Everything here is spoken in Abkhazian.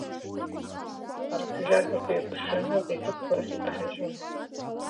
Арԥжәагақәа еиқәыршәаны аӷа иҭыԥқәа рахь икаҳажьуан.